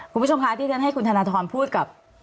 คุณผู้ชมคะที่ฉันให้คุณธนทรพูดกับ